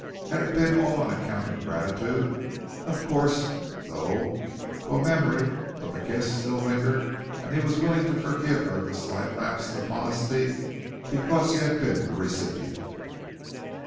Had it been all on account of gratitude? Of course though Well, memory of the kiss still lingered and he was willing to forgive her the slight lapse of modesty because he had been the recipient.